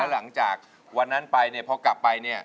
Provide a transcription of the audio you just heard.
และหลังจากวันนั้นพอกลับไปเนี่ย